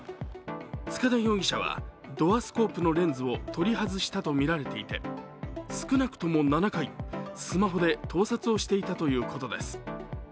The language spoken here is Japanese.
塚田容疑者はドアスコープのレンズを取り外したとみられていて少なくとも７回、スマホで盗撮をしていたということです。